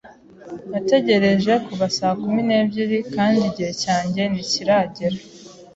Nategereje kuva saa kumi n'ebyiri kandi igihe cyanjye ntikiragera.